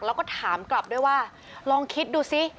แล้วก็ถามกลับด้วยว่าลองคิดดูสิ